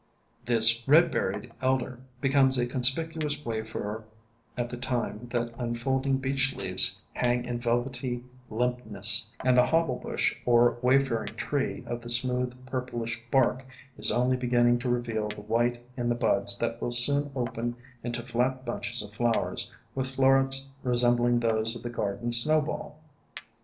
This Red berried Elder becomes a conspicuous wayfarer at the time that unfolding Beech leaves hang in velvety limpness and the Hobble Bush or Wayfaring Tree of the smooth, purplish bark is only beginning to reveal the white in the buds that will soon open into flat bunches of flowers, with florets resembling those of the gar den Snowball.